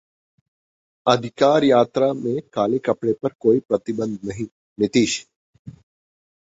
अधिकार यात्रा में काले कपड़े पर कोई प्रतिबंध नहीं: नीतीश